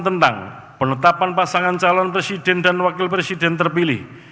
tentang penetapan pasangan calon presiden dan wakil presiden terpilih